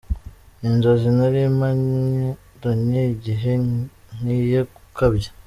Ni inzozi nari maranye igihe ngiye gukabya.